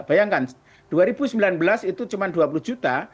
bayangkan dua ribu sembilan belas itu cuma dua puluh juta